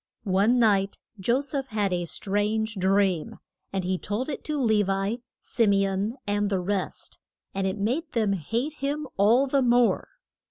One night Jo seph had a strange dream, and he told it to Le vi, Sim e on, and the rest, and it made them hate him all the more.